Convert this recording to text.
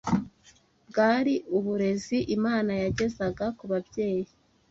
Bwari uburezi Imana yagezaga ku babyeyi